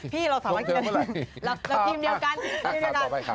ทีมเดียวกันต่อไปค่ะ